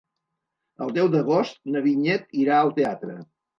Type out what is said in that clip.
El deu d'agost na Vinyet irà al teatre.